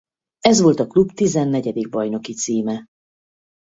Ez volt a klub tizennegyedik bajnoki címe.